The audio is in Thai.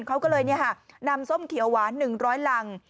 เขาก็เลยนำส้มเขียวหวาน๑๐๐รัง